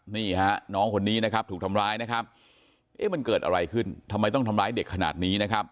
นี่ฮะน้องคนนี้นะครับถูกทำร้ายนะครับเอ๊ะมันเกิดอะไรขึ้นทำไมต้องทำร้ายเด็กขนาดนี้นะครับ